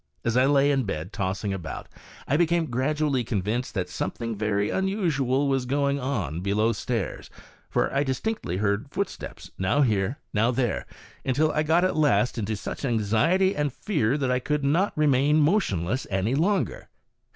As I lay in bed, tossing about, I be came gradually convinced that something very unusual was going on below stairs, for I distinctly heard footsteps, now here, now there, until I got at last into such anxiety and fear that I could not remain motionless any longer.